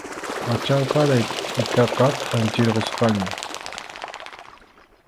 Achanqaray tʼikaqa phanchirqusqaña.